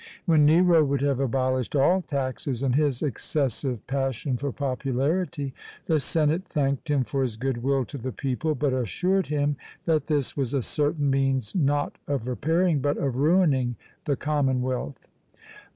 When Nero would have abolished all taxes, in his excessive passion for popularity, the senate thanked him for his good will to the people, but assured him that this was a certain means not of repairing, but of ruining the commonwealth.